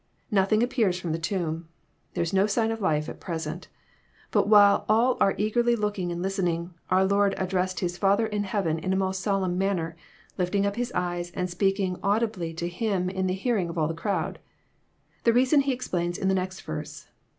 Nothing appears trom the tomb. There is no sign of life at present ; but while all are eagerly looking and listening, our Lord addressed His Father in heaven in a most solemn manner, lifting up His eyes, and speaking au dibly to Him in the hearing of all the crowd. The reason He explains in the next verse.